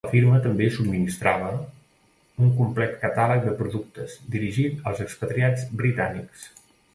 La firma també subministrava un complet catàleg de productes, dirigit als expatriats britànics.